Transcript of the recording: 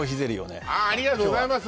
今日はありがとうございます